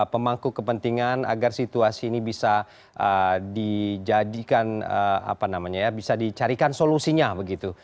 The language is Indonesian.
pemangku kepentingan agar situasi ini bisa dijadikan apa namanya ya bisa dicarikan solusinya begitu